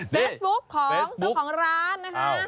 เฟซบุ๊คของร้านนะคะ